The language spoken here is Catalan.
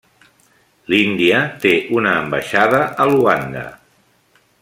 L'Índia té una ambaixada a Luanda.